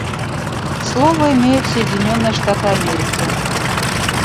Слово имеют Соединенные Штаты Америки.